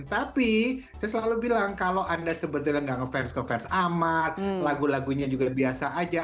tapi saya selalu bilang kalau anda sebetulnya nggak ngefans ke fans amat lagu lagunya juga biasa aja